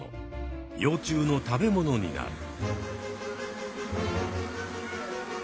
幼虫の食べ物になる。